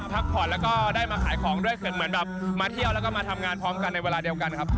พักผ่อนแล้วก็ได้มาขายของด้วยเหมือนแบบมาเที่ยวแล้วก็มาทำงานพร้อมกันในเวลาเดียวกันครับ